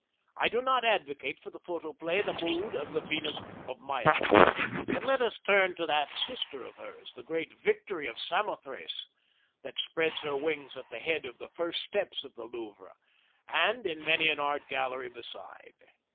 I do not advocate for the photoplay the mood of the Venus of Milo. But let us turn to that sister of hers, the great Victory of Samothrace, that spreads her wings at the head of the steps of the Louvre, and in many an art gallery beside.